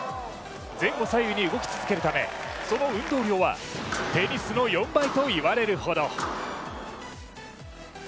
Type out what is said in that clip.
前後左右に動き続けるため、その運動量はテニスの４倍といわれるほど。